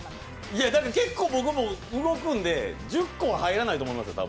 結構僕も動くんで、１０個は入らないと思いますよ。